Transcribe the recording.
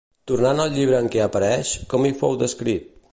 Tornant al llibre en què apareix, com hi fou descrit?